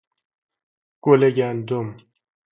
گل گندم